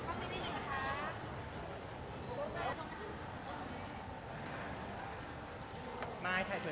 ขอมองกล้องลายเสือบขนาดนี้นะคะ